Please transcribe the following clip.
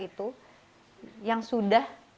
itu yang sudah